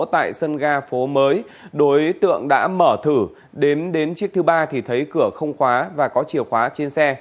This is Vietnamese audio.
tại sân ga mới đối tượng đã mở thử đến đến chiếc thứ ba thì thấy cửa không khóa và có chiều khóa trên xe